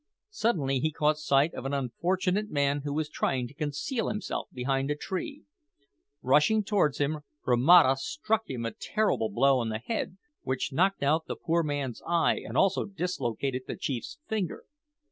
Suddenly he caught sight of an unfortunate man who was trying to conceal himself behind a tree. Rushing towards him, Romata struck him a terrible blow on the head, which knocked out the poor man's eye and also dislocated the chief's finger.